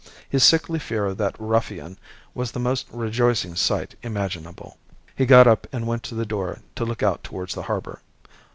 His sickly fear of that ruffian was the most rejoicing sight imaginable." He got up and went to the door to look out towards the harbour.